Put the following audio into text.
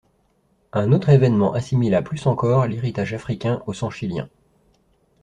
Un autre évènement assimila plus encore l’héritage africain au sang chilien.